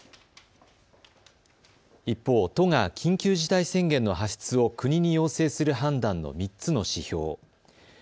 一方、都が緊急事態宣言の発出を国に要請する判断の３つの指標。